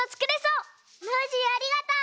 ノージーありがとう。